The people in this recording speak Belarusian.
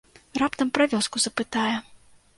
Раптам пра вёску запытае.